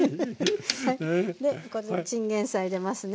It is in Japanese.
でここでチンゲンサイ入れますね。